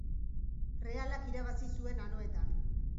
Realak irabazi zuen anoetan